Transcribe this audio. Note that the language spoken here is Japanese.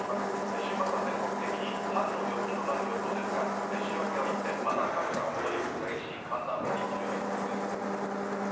週末は全国的に春の陽気となる予想ですが、週明けは一転、また寒さが戻り、激しい寒暖差に注意が必要です。